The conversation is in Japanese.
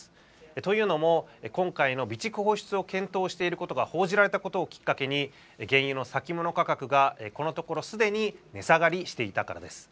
というのも、今回の備蓄放出を検討していることが報じられたことをきっかけに、原油の先物価格が、このところすでに値下がりしていたからです。